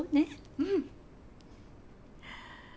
うん。